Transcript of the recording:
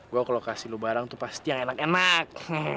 gue kalau kasih lo barang tuh pasti yang enak enak